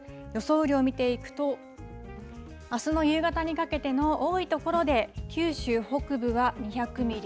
雨量、見ていくとあすの夕方にかけての多い所で九州北部は２００ミリ。